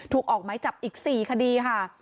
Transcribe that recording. ถูกออกไม้จับอีก๔คดีค่ะ